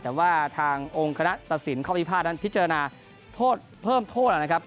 แต่ว่าทางองค์คณะตัดสินข้อพิพาทนั้นพิจารณาโทษเพิ่มโทษนะครับ